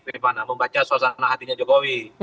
rifana membaca suasana hatinya jokowi